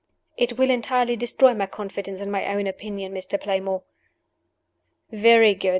"It will entirely destroy my confidence in my own opinion, Mr. Playmore." "Very good.